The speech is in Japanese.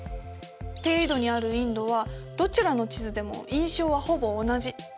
低緯度にあるインドはどちらの地図でも印象はほぼ同じ。